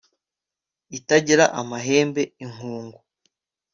itagira amahembe inkungu